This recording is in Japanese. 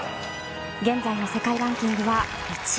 現在の世界ランキングは１位。